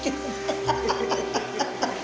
ハハハハハ！